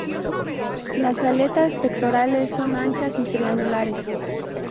Las aletas pectorales son anchas y triangulares.